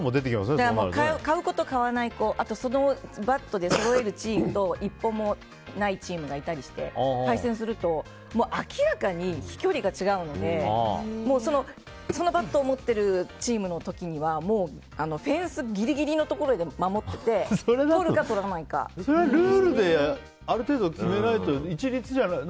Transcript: だから買う子と、買わない子そのバットでそろえるチームと１本もないチームがいたりして対戦すると明らかに飛距離が違うのでそのバットを持っているチームの時にはフェンスギリギリのところを守っていてルールである程度決めないと、一律じゃない。